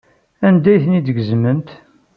Anda ay ten-id-tgezmemt?